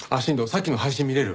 さっきの配信見れる？